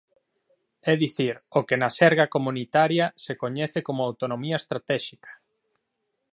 É dicir, o que na xerga comunitaria se coñece como "autonomía estratéxica".